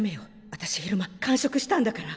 あたし昼間間食したんだから。